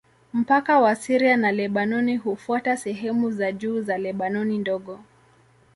Mpaka wa Syria na Lebanoni hufuata sehemu za juu za Lebanoni Ndogo.